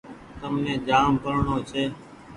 تمني جآم پڙڻو ڇي۔